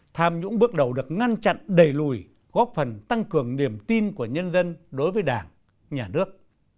tham nhũng bước đầu được ngăn chặn đẩy lùi góp phần tăng cường niềm tin của nhân dân đối với đảng nhà nước